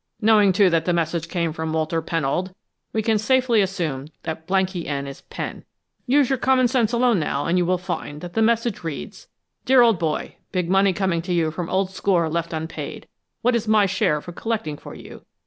"Knowing, too, that the message came from Walter Pennold, we can safely assume that _ en_ is Pen. Use your common sense alone, now, and you will find that the message reads: 'Dear old boy. Big money coming to you from old score left unpaid. What is my share for collecting for you?